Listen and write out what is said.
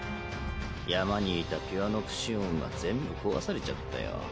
山にいたピュアノプシオンは全部壊されちゃったよ。